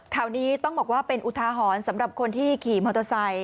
ข่าวนี้ต้องบอกว่าเป็นอุทาหรณ์สำหรับคนที่ขี่มอเตอร์ไซค์